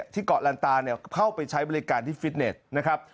เกาะลันตาเข้าไปใช้บริการที่ฟิตเน็ตนะครับ